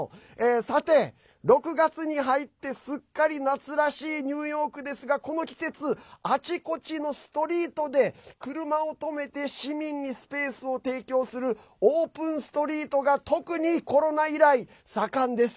さて６月に入ってすっかり夏らしいニューヨークですがこの季節あちこちのストリートで車を止めて市民にスペースを提供するオープン・ストリートが特にコロナ以来、盛んです。